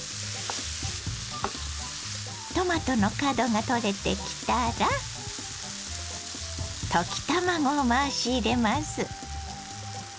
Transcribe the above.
トマトの角が取れてきたら溶き卵を回し入れます。